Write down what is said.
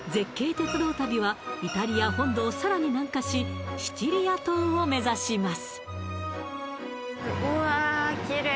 鉄道旅はイタリア本土をさらに南下しシチリア島を目指します